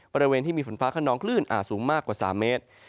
บริเวณที่มีฝนฟ้าขนองคลื่นอาจสูงมากกว่า๓เมตร